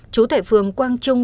chú tại phường quang trung